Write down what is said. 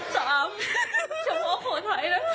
๓ชั่วโพธิไทยนะ